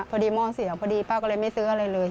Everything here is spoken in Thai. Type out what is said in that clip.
พอดีม่อเสียป้าก็เลยไม่ซื้ออะไรเลย